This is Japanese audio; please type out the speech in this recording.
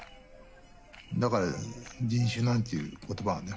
だから人種なんていう言葉はね